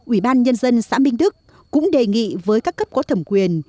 ủy ban nhân dân xã minh đức cũng đề nghị với các cấp có thẩm quyền